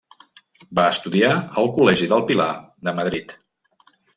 Va estudiar al Col·legi del Pilar de Madrid.